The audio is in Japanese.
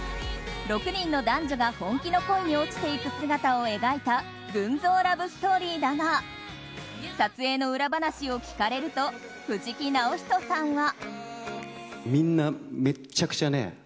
６人の男女が本気の恋に落ちていく姿を描いた群像ラブストーリーだが撮影の裏話を聞かれると藤木直人さんは。